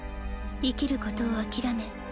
生きることを諦め